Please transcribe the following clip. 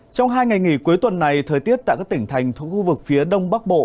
trong hai ngày nghỉ cuối tuần này thời tiết tại các tỉnh thành thuộc khu vực phía đông bắc bộ